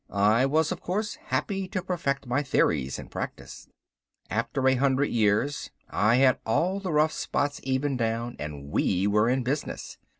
I was, of course, happy to perfect my theories in practice. After a hundred years I had all the rough spots evened down and we were in business.